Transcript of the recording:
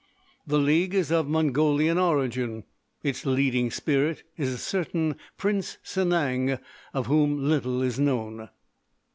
The league is of Mongolian origin. Its leading spirit is a certain Prince Sanang, of whom little is known.